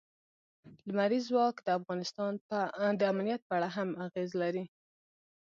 لمریز ځواک د افغانستان د امنیت په اړه هم اغېز لري.